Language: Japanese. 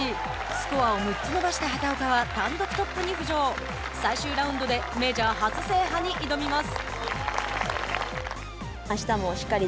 スコアを６つ伸ばした畑岡は単独トップに浮上最終ラウンドでメジャー初制覇に挑みます。